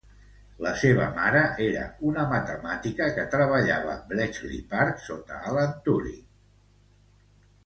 La seva mare era una matemàtica que treballava a Bletchley Park sota Alan Turing.